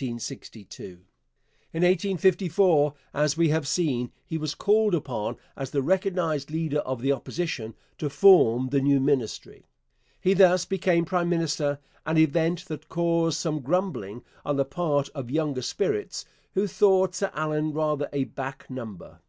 In 1854, as we have seen, he was called upon, as the recognized leader of the Opposition, to form the new Ministry. He thus became prime minister, an event that caused some grumbling on the part of younger spirits who thought Sir Allan rather a 'back number.'